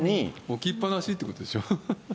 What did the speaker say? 置きっ放しってことでしょう。